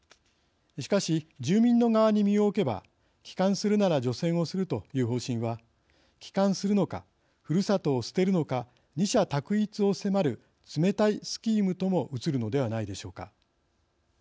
しかし、住民の側に身を置けば帰還するなら除染をするという方針は帰還するのかふるさとを捨てるのか二者択一を迫る冷たいスキームとも映るのではないでしょうか。